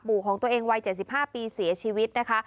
บู่ของตัวเองวัยเจ็ดสิบห้าปีเสียชีวิตนะคะ